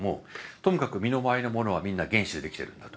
ともかく身の回りのものはみんな原子でできてるんだと。